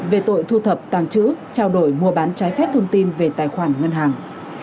về tội thu thập tàng chữ trao đổi mua bán trái phép thông tin về tài khoản ngân hàng